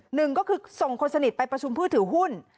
หนึ่งก็คือส่งคนสนิทไปประชุมผู้ถือหุ้น